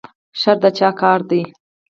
شر د چا کار دی؟